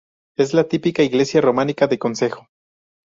Es la típica iglesia románica de concejo.